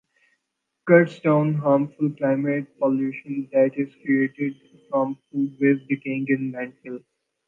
Cuts down harmful climate pollution that is created from food waste decaying in landfills.